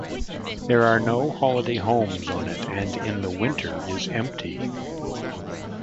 There are no holiday homes on it and in the winter is empty.